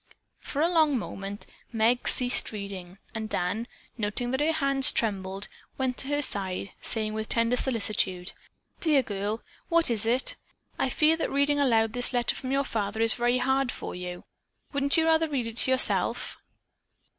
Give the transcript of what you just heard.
'" For a long moment Meg ceased reading and Dan, noting that her hands trembled, went to her side, saying with tender solicitude: "Dear girl, what is it? I fear that reading aloud this letter from your father is very hard for you. Wouldn't you rather read it to yourself?"